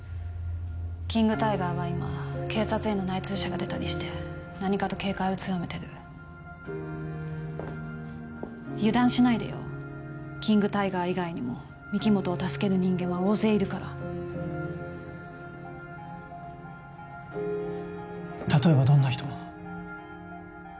キング・タイガーは今警察への内通者が出たりして何かと警戒を強めてる油断しないでよキング・タイガー以外にも御木本を助ける人間は大勢いるから例えばどんな人？